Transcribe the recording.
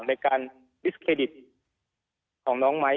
ในการดิสเครดิตของน้องไม้